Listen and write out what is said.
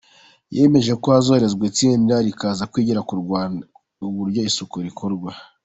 Yemeje ko hazoherezwa itsinda rikaza kwigira ku Rwanda uburyo isuku ikorwa.